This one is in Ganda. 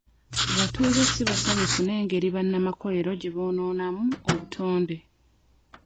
Abatuuze si basanyufu n'engeri bannamakolero gye boonoonamu obutonde.